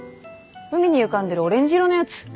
海に浮かんでるオレンジ色のやつ？